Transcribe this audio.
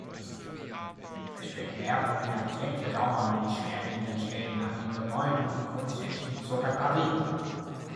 Es wird mehrere Jahrzehnte dauern, die schwerwiegenden Schäden an Gebäuden und Kunstschätzen zu reparieren.